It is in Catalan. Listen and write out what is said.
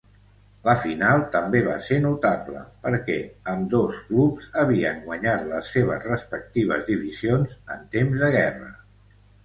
La final també va ser notable perquè ambdós clubs havien guanyat les seves respectives divisions en temps de guerra.